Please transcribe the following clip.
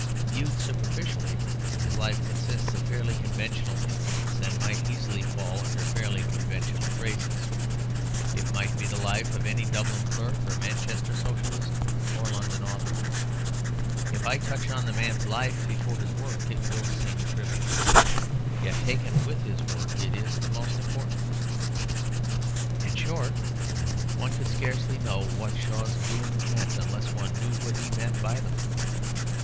Viewed superficially, his life consists of fairly conventional incidents, and might easily fall under fairly conventional phrases. It might be the life of any Dublin clerk or Manchester Socialist or London author. If I touch on the man's life before his work, it will seem trivial; yet taken with his work it is most important. In short, one could scarcely know what Shaw's doings meant unless one knew what he meant by them.